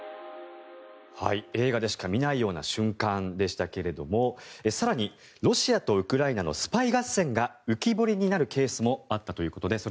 映画でしか見ないような瞬間でしたけれども更に、ロシアとウクライナのスパイ合戦が浮き彫りになるケースもあったということです。